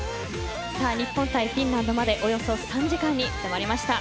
日本対フィンランドまでおよそ３時間に迫りました。